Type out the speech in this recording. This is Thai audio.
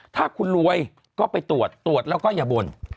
ถ้าคุณรวยก็ไปตรวจตรวจแล้วก็อย่าบ่น